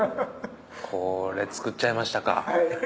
これ作っちゃいましたかハハハ。